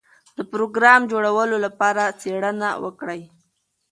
د پروګرام جوړولو لپاره څېړنه وکړئ.